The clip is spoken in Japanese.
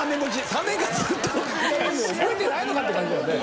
３年間ずっと覚えてないのかって感じだよね。